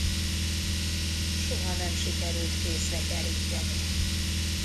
Soha nem sikerült kézre keríteni.